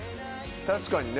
確かにね。